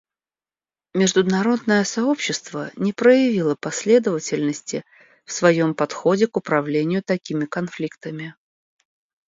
Международное сообщество не проявило последовательности в своем подходе к управлению такими конфликтами.